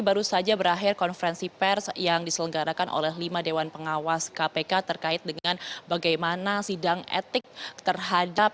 baru saja berakhir konferensi pers yang diselenggarakan oleh lima dewan pengawas kpk terkait dengan bagaimana sidang etik terhadap